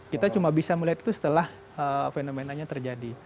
kita cuma bisa melihat itu setelah fenomenanya terjadi